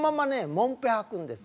もんぺはくんです。